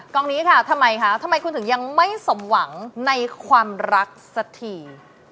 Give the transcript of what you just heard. กล้องนี้ค่ะทำไมคุณถึงยังไม่สมหวังในความรักสถี